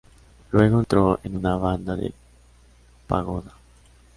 Luego entró en una banda de pagoda.